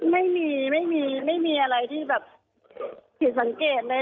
ไม่มีไม่มีอะไรที่แบบผิดสังเกตเลย